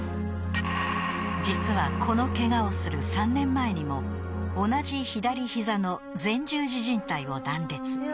［実はこのケガをする３年前にも同じ左膝の前十字靱帯を断裂］